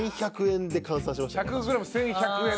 １００ｇ１，１００円ね。